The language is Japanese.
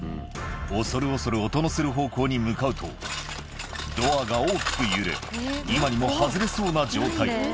恐る恐る音のする方向に向かうと、ドアが大きく揺れ、今にも外れそうな状態。